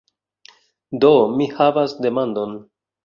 Do, mi havas demandon.